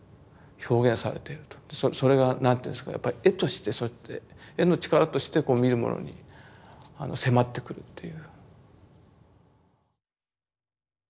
それが何ていうんですかやっぱり絵としてそうやって絵の力として見る者に迫ってくるっていう。